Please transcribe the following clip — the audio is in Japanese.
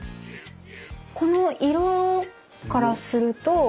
この色からすると。